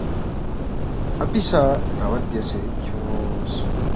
اپی سہ دعوت بیاسے کھیونگس